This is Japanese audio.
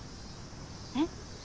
えっ？